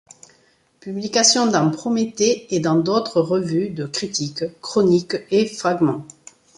Publication dans Prométhée et dans d’autres revues de critiques, chroniques et fragments.